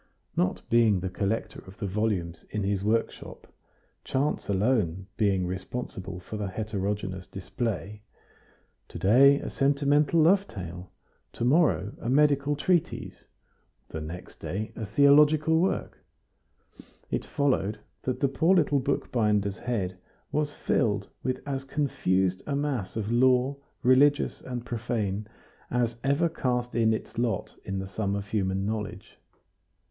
Not being the collector of the volumes in his workshop, chance alone being responsible for the heterogeneous display, to day a sentimental love tale, to morrow a medical treatise, the next day a theological work, it followed that the poor little bookbinder's head was filled with as confused a mass of lore, religious and profane, as ever cast in its lot in the sum of human knowledge.